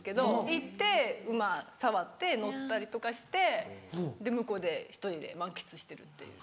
行って馬触って乗ったりとかしてで向こうで１人で満喫してるっていう。